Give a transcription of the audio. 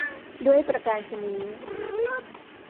ด้วยประการฉะนี้